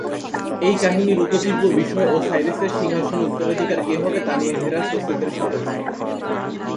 এই কাহিনির উপজীব্য বিষয় ওসাইরিসের সিংহাসনের উত্তরাধিকার কে হবে তা নিয়ে হোরাস ও সেতের সংঘর্ষ।